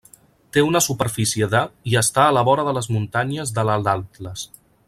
Té una superfície de i està a la vora de les muntanyes de l'Alt Atles.